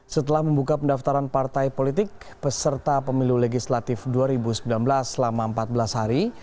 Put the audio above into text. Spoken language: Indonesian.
setelah membuka pendaftaran partai politik peserta pemilu legislatif dua ribu sembilan belas selama empat belas hari